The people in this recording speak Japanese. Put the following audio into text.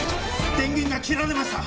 電源が切られました。